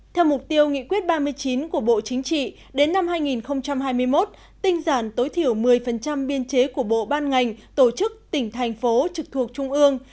theo mục tiêu nghị quyết ba mươi chín của bộ chính trị đến năm hai nghìn hai mươi một tinh giản tối thiểu một mươi biên chế của bộ ban ngành tổ chức tỉnh thành phố trực thuộc trung ương